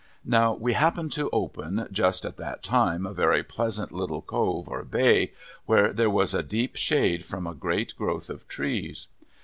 Now, we happened to open, just at that time, a very pleasant little cove or bay, where there was a deep shade from a great growth of trees.